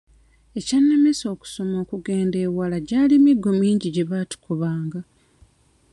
Ekyannemesa okusoma okugenda ewala gyali miggo mingi gye baatukubanga.